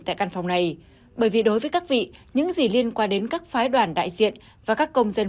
tại căn phòng này bởi vì đối với các vị những gì liên quan đến các phái đoàn đại diện và các công dân